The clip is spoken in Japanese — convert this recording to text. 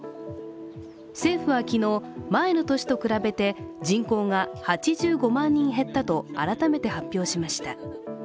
政府は昨日、前の年と比べて人口が８５万人減ったと改めて発表しました。